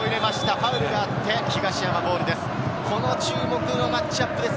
ファウルがあって、東山ボールです。